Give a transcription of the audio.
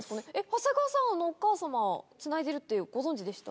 長谷川さんお母様つないでるってご存じでした？